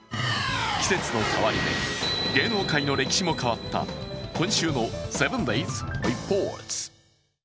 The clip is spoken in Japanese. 季節の変わり目、芸能界の歴史も変わった今週の「７ｄａｙｓリポート」。